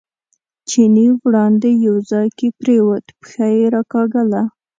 چیني وړاندې یو ځای کې پرېوت، پښه یې راکاږله.